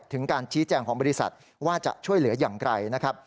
ถึงการชี้แจงของบริษัทว่าจะช่วยเหลืออย่างไรนะครับ